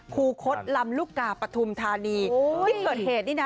ครูคดลำลูกกาปฐุมธานีที่เกิดเหตุนี่นะ